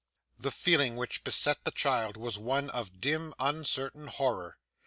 The feeling which beset the child was one of dim uncertain horror.